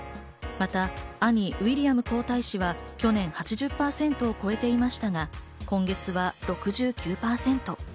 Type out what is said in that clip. また、兄・ウィリアム皇太子は去年８０％を超えていましたが、今月は６９％。